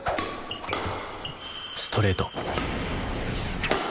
ストレート！